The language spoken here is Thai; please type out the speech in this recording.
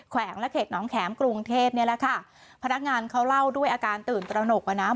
วงและเขตน้องแข็มกรุงเทพนี่แหละค่ะพนักงานเขาเล่าด้วยอาการตื่นตระหนกอ่ะนะ